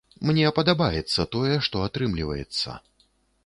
Мне падабаецца тое, што атрымліваецца.